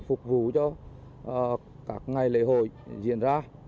phục vụ cho các ngày lễ hội diễn ra